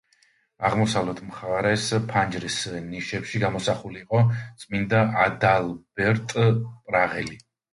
აღმოსავლეთ მხარეს ფანჯრის ნიშებში გამოსახული იყო წმინდა ადალბერტ პრაღელი.